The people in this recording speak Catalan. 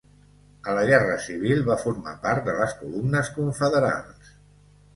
A la guerra civil va formar part de les columnes confederals.